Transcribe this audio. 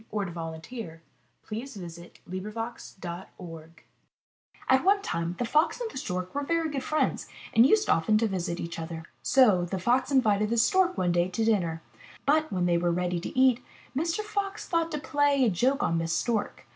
lOT r THE FOX AND THE STORK Adapted from Aesop At one time the Fox and the Stork were very good friends and used often to visit each other. So the Fox invited the Stork one day to dinner. But, when they were ready to eat, Mr. Fox thought to play a joke on Miss Stork.